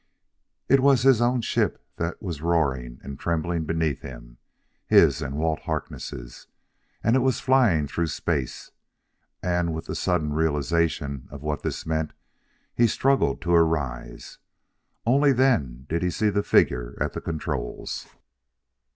It was his own ship that was roaring and trembling beneath him his and Walt Harkness' it was flying through space! And, with the sudden realization of what this meant, he struggled to arise. Only then did he see the figure at the controls.